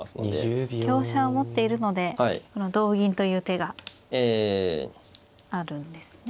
香車を持っているので同銀という手があるんですね。